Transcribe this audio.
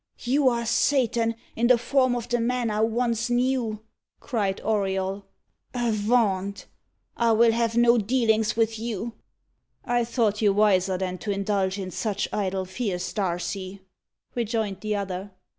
"You are Satan in the form of the man I once knew," cried Auriol. "Avaunt! I will have no dealings with you." "I thought you wiser than to indulge in such idle fears, Darcy," rejoined the other.